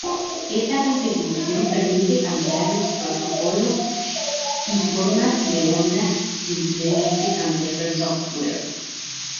Esta configuración permite cambiar los protocolos y formas de onda simplemente cambiando el software.